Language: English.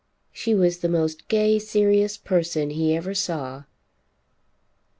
She was the most gay serious person he ever saw.